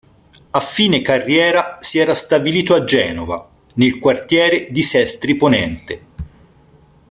A fine carriera si era stabilito a Genova, nel quartiere di Sestri Ponente.